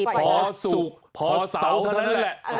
พอสุขพอเสาเท่านั้นแหละ